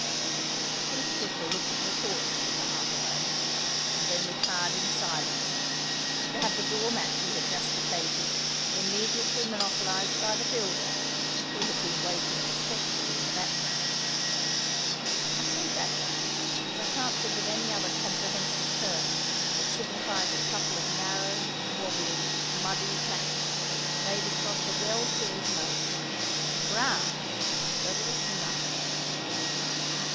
The Chief Official looked at me thoughtfully for half a moment, and then retired in silence—to have the door mat he had just vacated immediately monopolised by the builder, who had been waiting respectfully in the background. (I say background, because I can't think of any other comprehensive term that signifies a couple of narrow, wobbly, muddy planks, laid across a well filled moat; ground there was none.)